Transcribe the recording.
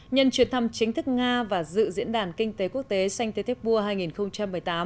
nhân chuyển thăm chính thức nga và dự diễn đàn kinh tế quốc tế saint étipour hai nghìn một mươi tám